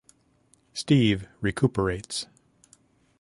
Steve recuperates.